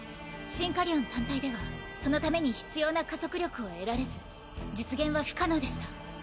シンカリオン単体ではそのために必要な加速力を得られず実現は不可能でした。